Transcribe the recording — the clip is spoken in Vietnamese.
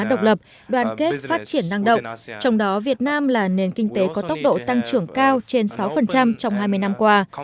độc lập đoàn kết phát triển năng động trong đó việt nam là nền kinh tế có tốc độ tăng trưởng cao trên sáu trong hai mươi năm qua